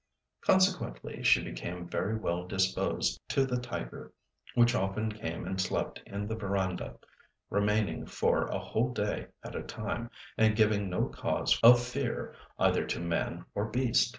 Consequently, she became very well disposed to the tiger, which often came and slept in the verandah, remaining for a whole day at a time, and giving no cause of fear either to man or beast.